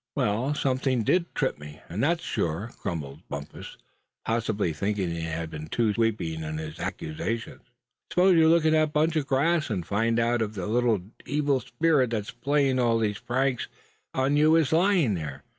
"Well, somethin' did trip me, and that's sure," grumbled the other, possibly thinking that he had been too sweeping in his accusation. "Suppose you look in that bunch of grass, and find out if the little evil spirit that's playing all these pranks on you is lying there?"